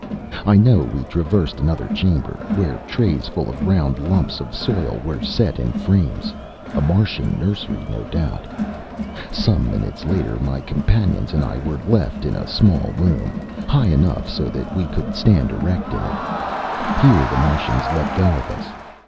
I know we traversed another chamber, where trays full of round lumps of soil were set in frames. A Martian nursery, no doubt. Some minutes later, my companions and I were left in a small room, high enough so that we could stand erect in it. Here the Martians let go of us.